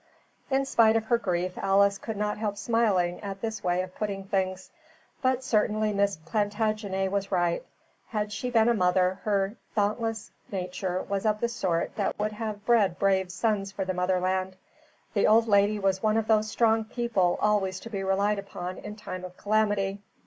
In spite of her grief Alice could not help smiling at this way of putting things. But certainly Miss Plantagenet was right. Had she been a mother, her dauntless nature was of the sort that would have bred brave sons for the motherland. The old lady was one of those strong people always to be relied upon in time of calamity.